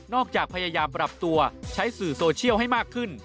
จากพยายามปรับตัวใช้สื่อโซเชียลให้มากขึ้น